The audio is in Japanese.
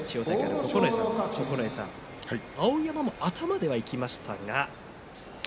九重さん、碧山頭でいきましたが。